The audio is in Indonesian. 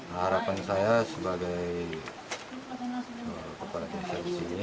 harapan saya sebagai kepala desa di sini